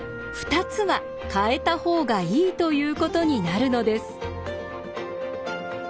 ２つは変えた方がいいということになるのです。